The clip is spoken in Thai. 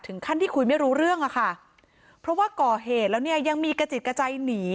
ขั้นที่คุยไม่รู้เรื่องอะค่ะเพราะว่าก่อเหตุแล้วเนี่ยยังมีกระจิตกระใจหนี